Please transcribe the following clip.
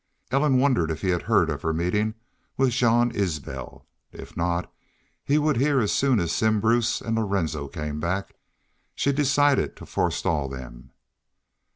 Ellen wondered if he had heard of her meeting with Jean Isbel. If not he would hear as soon as Simm Bruce and Lorenzo came back. She decided to forestall them.